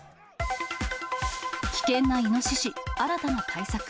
危険なイノシシ、新たな対策。